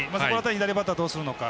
左バッターどうするのか。